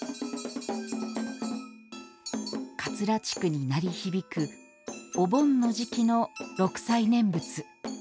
桂地区に鳴り響くお盆の時期の六斎念仏。